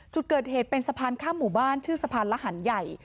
จุดเกิดเหตุเป็นสะพานข้ามหมู่บ้านชื่อสะพานระหันใหญ่